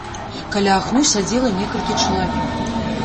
Каля агню сядзела некалькі чалавек.